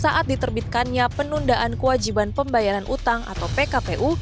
saat diterbitkannya penundaan kewajiban pembayaran utang atau pkpu